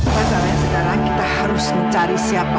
masalahnya sekarang kita harus mencari siapa